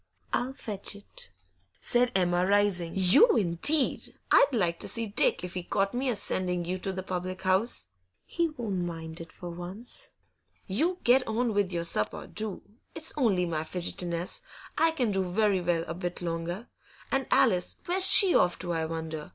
I'll fetch it,' said Emma, rising. 'You indeed! I'd like to see Dick if he caught me a sending you to the public house.' 'He won't mind it for once.' 'You get on with your supper, do. It's only my fidgetiness; I can do very well a bit longer. And Alice, where's she off to, I wonder?